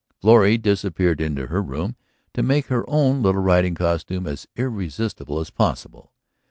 Florrie disappeared into her room to make her own little riding costume as irresistible as possible.